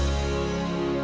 terima kasih cassie